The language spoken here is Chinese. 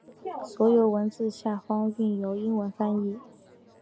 所有文字下方均有英文翻译。